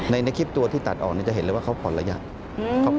ในคลิปตัวที่ตัดออกจะเห็นเลยว่าเขาผ่อนระยะ